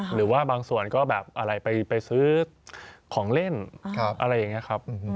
หรือว่าบางส่วนก็แบบอะไรไปซื้อของเล่นอะไรอย่างนี้ครับ